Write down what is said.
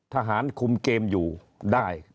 ทหารคุมเกมอยู่ได้